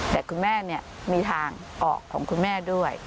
แต่คุณแม่มีทางออกของคุณแม่ด้วย